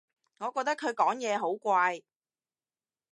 我覺得佢講嘢好怪